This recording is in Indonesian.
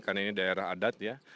karena ini daerah adat ya